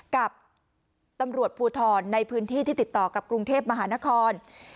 กับตำรวจภูทรในพื้นที่ที่ติดต่อกับกรุงเทพมหานคร